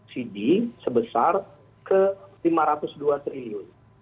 cd sebesar ke rp lima ratus dua triliun